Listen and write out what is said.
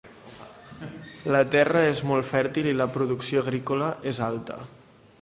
La terra és molt fèrtil i la producció agrícola és alta.